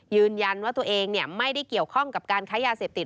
ยืนยันว่าตัวเองไม่ได้เกี่ยวข้องกับการค้ายาเสพติด